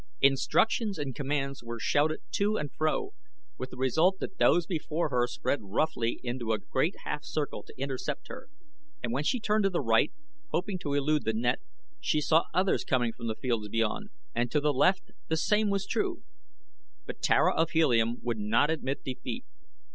Instructions and commands were shouted to and fro, with the result that those before her spread roughly into a great half circle to intercept her, and when she turned to the right, hoping to elude the net, she saw others coming from fields beyond, and to the left the same was true. But Tara of Helium would not admit defeat.